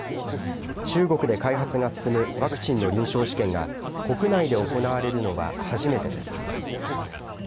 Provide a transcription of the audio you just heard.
中国で開発が進むワクチンの臨床試験が国内で行われるのは初めてです。